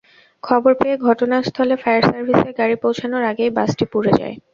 খবর পেয়ে ঘটনাস্থলে ফায়ার সার্ভিসের গাড়ি পৌঁছানোর আগেই বাসটি পুড়ে যায়।